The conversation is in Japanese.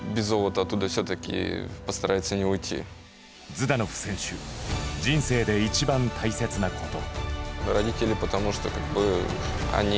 ズダノフ選手人生で一番大切なこと。